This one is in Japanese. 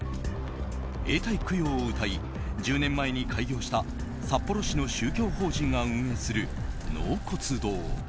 永代供養をうたい１０年前に開業した札幌市の宗教法人が運営する納骨堂。